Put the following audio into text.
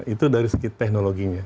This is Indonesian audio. itu dari segi teknologinya